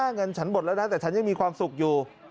เงินฉันหมดแล้วนะแต่ฉันยังมีความสุขอยู่